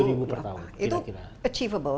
tujuh ribu per tahun itu achievable